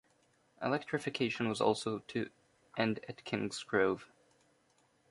Electrification was also to end at Kingsgrove.